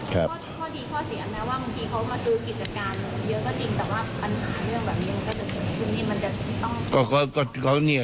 ก็จะลุยอย่างนั้น